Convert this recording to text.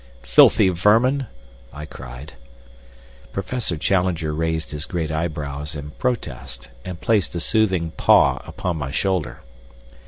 "Filthy vermin!" I cried. Professor Challenger raised his great eyebrows in protest, and placed a soothing paw upon my shoulder.